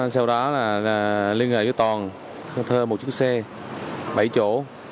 sau đó liên hệ với toàn thơ một chiếc xe bảy chỗ